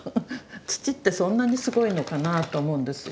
土ってそんなにすごいのかなぁと思うんですよ。